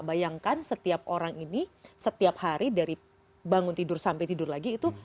bayangkan setiap orang ini setiap hari dari bangun tidur sampai tidur lagi itu